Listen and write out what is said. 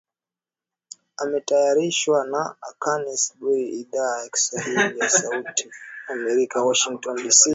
Imetayarishwa na Kennes Bwire, Idhaa ya Kiswahili ya Sauti ya Amerika, Washington DC